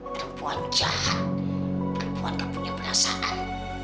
perempuan jahat perempuan tak punya perasaan